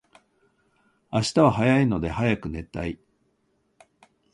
明日は早いので早く寝たい